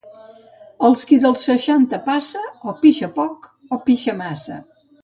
El qui dels seixanta passa, o pixa poc o pixa massa.